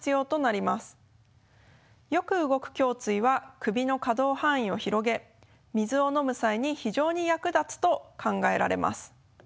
よく動く胸椎は首の可動範囲を広げ水を飲む際に非常に役立つと考えられます。